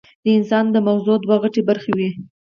د انسان د مزغو دوه غټې برخې وي